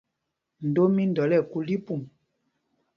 Ndom mí Ndɔl ɛ kul tí pum.